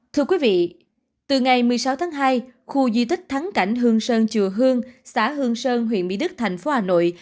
thưa quý vị từ ngày một mươi sáu tháng hai khu di tích thắng cảnh hương sơn chùa hương xã hương sơn huyện mỹ đức thành phố hà nội